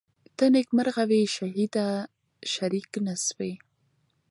ته نیکمرغه وې شهیده شریک نه سوې